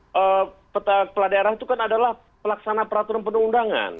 kepala daerah itu kan adalah pelaksana peraturan penduduk undangan